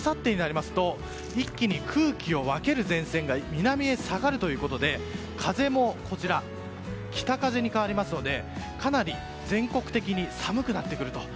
この前線があさってになりますと一気に空気を分ける前線が南へ下がるということで風も北風に変わりますのでかなり全国的に寒くなってくると。